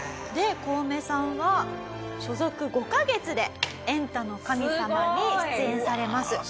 でコウメさんは所属５カ月で『エンタの神様』に出演されます。